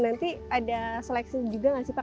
nanti ada seleksi juga nggak sih pak